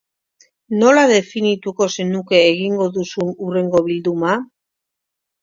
Nola definituko zenuke egingo duzun hurrengo bilduma?